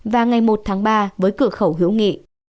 và ngày một tháng ba với cửa khẩu hữu nghị